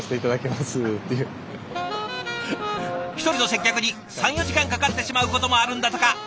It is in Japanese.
１人の接客に３４時間かかってしまうこともあるんだとか。